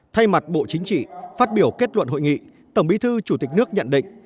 thay mặt bộ chính trị phát biểu kết luận hội nghị tổng bí thư chủ tịch nước nhận định